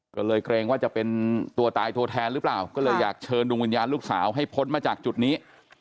ก็เลยเกรงว่าจะเป็นตัวตายตัวแทนหรือเปล่าก็เลยอยากเชิญดวงวิญญาณลูกสาวให้พ้นมาจากจุดนี้